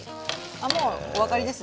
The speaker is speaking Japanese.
あもうお分かりですね？